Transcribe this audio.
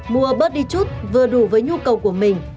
mua bớt đi chút vừa đủ với nhu cầu của mình